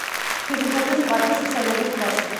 ღვთისმშობლის კვართის ხსენების დღეს.